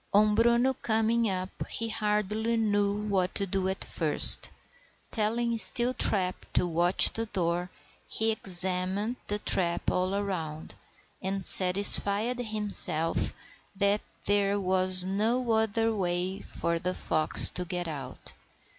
On Bruno coming up he hardly knew what to do at first. Telling Steeltrap to watch the door, he examined the trap all round, and satisfied himself that there was no other way for the fox to get out.